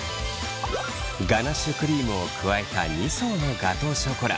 ガナッシュクリームを加えた２層のガトーショコラ。